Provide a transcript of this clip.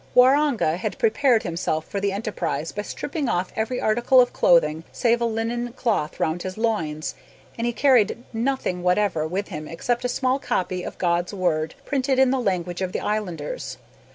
Waroonga had prepared himself for the enterprise by stripping off every article of clothing save a linen cloth round his loins, and he carried nothing whatever with him except a small copy of God's Word printed in the language of the islanders.